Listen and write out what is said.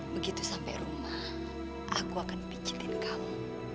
begitu sampai rumah aku akan picitin kamu